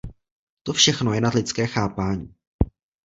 To všechno je nad lidské chápání.